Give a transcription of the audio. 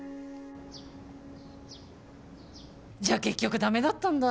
じゃあ結局駄目だったんだ。